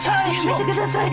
やめてください！